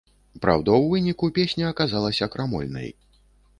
Праўда, у выніку песня аказалася крамольнай.